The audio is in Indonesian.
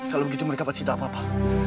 kalau begitu mereka pasti tidak apa apa